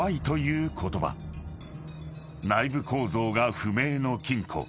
［内部構造が不明の金庫］